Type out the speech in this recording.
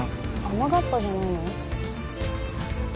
雨がっぱじゃないの？